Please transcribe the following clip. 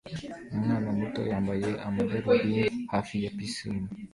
Umwana muto yambara amadarubindi hafi ya pisine